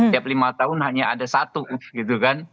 tiap lima tahun hanya ada satu gitu kan